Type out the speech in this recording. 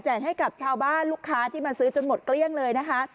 ให้กับชาวบ้านลูกค้าที่มาซื้อจนหมดเกลี้ยงเลยนะคะ